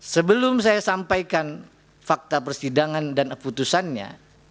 sebelum saya sampaikan fakta persidangan dan putusannya